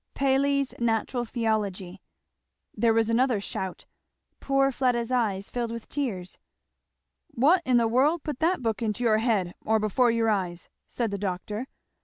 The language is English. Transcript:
Paley's Natural Theology!' There was another shout. Poor Fleda's eyes filled with tears. "What in the world put that book into your head, or before your eyes?" said the doctor.